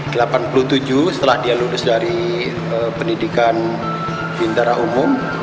setelah dia lulus dari pendidikan bintara umum